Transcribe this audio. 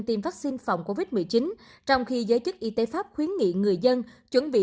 tiêm vaccine phòng covid một mươi chín trong khi giới chức y tế pháp khuyến nghị người dân chuẩn bị